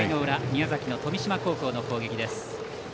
宮崎の富島高校の攻撃です。